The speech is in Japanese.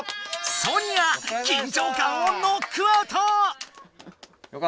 ソニア緊張感をノックアウト！